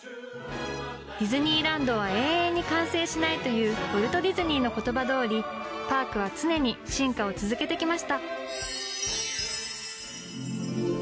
ディズニーランドは永遠に完成しないというウォルト・ディズニーの言葉通りパークは常に進化を続けて来ました。